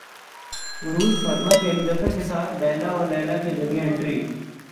عروج فاطمہ کی علی ظفر کے ساتھ لیلی او لیلی کے ذریعے انٹری